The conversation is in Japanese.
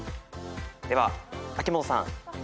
では秋元さん。